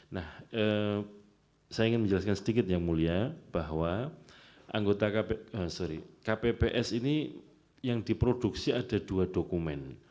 nah saya ingin menjelaskan sedikit yang mulia bahwa anggota kpps ini yang diproduksi ada dua dokumen